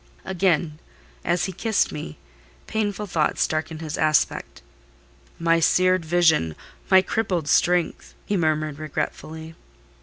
Again, as he kissed me, painful thoughts darkened his aspect. "My seared vision! My crippled strength!" he murmured regretfully.